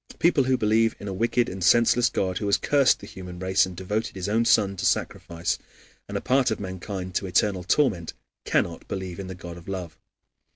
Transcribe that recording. People who believe in a wicked and senseless God who has cursed the human race and devoted his own Son to sacrifice, and a part of mankind to eternal torment cannot believe in the God of love.